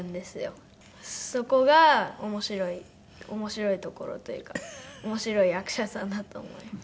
そこが面白い面白いところというか面白い役者さんだと思います。